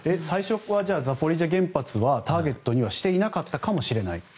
最初はザポリージャ原発はターゲットにはしていなかったかもしれない？